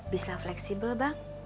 bisa fleksibel bang